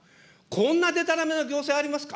こんなでたらめな行政ありますか。